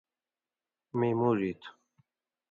می موڙ ایتو